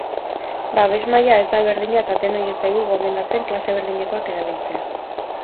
Babes maila ez da berdina eta denoi ez zaigu gomendatzen klase berdinekoak erabiltzea.